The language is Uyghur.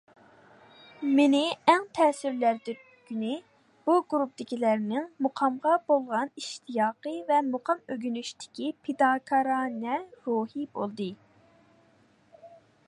مېنى ئەڭ تەسىرلەندۈرگىنى بۇ گۇرۇپپىدىكىلەرنىڭ مۇقامغا بولغان ئىشتىياقى ۋە مۇقام ئۆگىنىشتىكى پىداكارانە روھى بولدى.